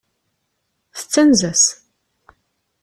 Tettanez-as.